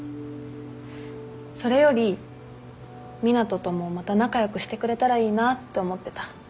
それより湊斗ともまた仲良くしてくれたらいいなって思ってた。